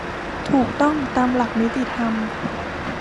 ถูกต้องตามหลักนิติธรรม